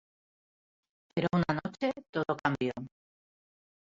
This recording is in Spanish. Pero una noche, todo cambió.